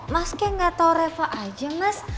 mas kayak gak tau reva aja mas